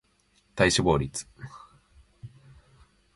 体脂肪率